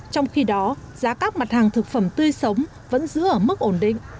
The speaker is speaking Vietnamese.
trong khi đó giá các mặt hàng thực phẩm tươi sống vẫn giữ ở mức ổn định